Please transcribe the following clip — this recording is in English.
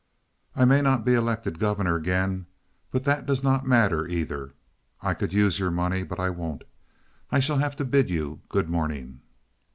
I may not be elected governor again, but that does not matter, either. I could use your money, but I won't. I shall have to bid you good morning."